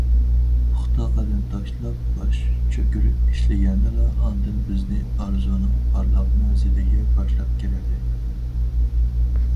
پۇختا قەدەم تاشلاپ، باش چۆكۈرۈپ ئىشلىگەندىلا، ئاندىن بىزنى ئارزۇنىڭ پارلاق مەنزىلىگە باشلاپ كىرەلەيدۇ.